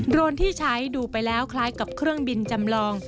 โรนที่ใช้ดูไปแล้วคล้ายกับเครื่องบินจำลอง